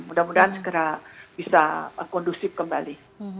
mudah mudahan segera bisa kondusif kembali